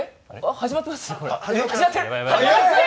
始まってます！